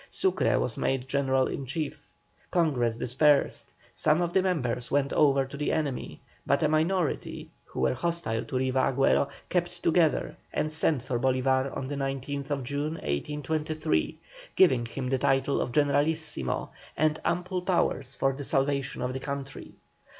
Sucre was made general in chief. Congress dispersed; some of the members went over to the enemy; but a minority, who were hostile to Riva Agüero, kept together, and sent for Bolívar on the 19th June, 1823, giving him the title of Generalissimo and ample powers for the salvation of the country.